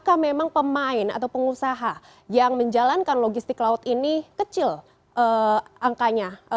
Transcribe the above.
apakah memang pemain atau pengusaha yang menjalankan logistik laut ini kecil angkanya